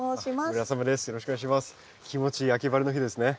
気持ちいい秋晴れの日ですね。